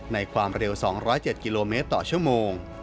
ความเร็ว๒๐๗กิโลเมตรต่อชั่วโมง